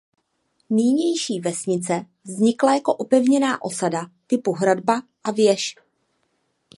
Nynější vesnice vznikla jako opevněná osada typu Hradba a věž.